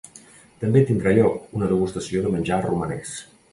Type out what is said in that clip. També tindrà lloc una degustació de menjar romanès.